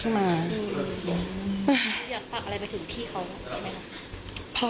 พี่เขาเคยไหมครับ